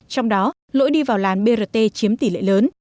trong đó lỗi đi vào làn brt chiếm tỷ lệ lớn